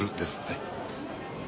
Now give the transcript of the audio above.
はい。